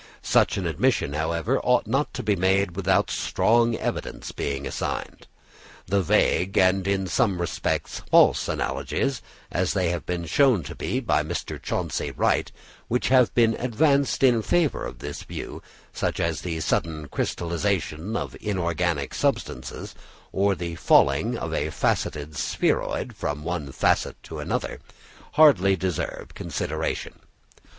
Such an admission, however, ought not to be made without strong evidence being assigned. The vague and in some respects false analogies, as they have been shown to be by Mr. Chauncey Wright, which have been advanced in favour of this view, such as the sudden crystallisation of inorganic substances, or the falling of a facetted spheroid from one facet to another, hardly deserve consideration.